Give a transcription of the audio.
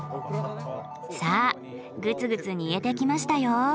さあグツグツ煮えてきましたよ。